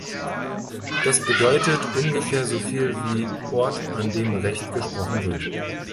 Das bedeutet ungefähr so viel wie „Ort an dem Recht gesprochen wird“.